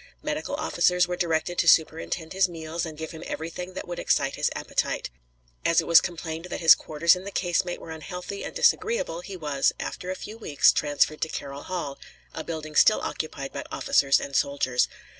Medical officers were directed to superintend his meals and give him everything that would excite his appetite. As it was complained that his quarters in the casemate were unhealthy and disagreeable, he was, after a few weeks, transferred to Carroll Hall, a building still occupied by officers and soldiers.